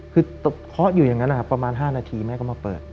คือเคาะอยู่อย่างนั้นนะครับประมาณ๕นาทีแม่ก็มาเปิด